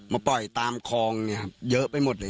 มาปล่อยตามคลองเนี่ยครับเยอะไปหมดเลย